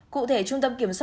cụ thể trung tâm kiểm soát